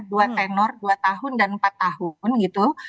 dua tenor dua tahun dan empat tahun gitu